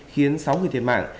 khiến sáu người thiệt mạng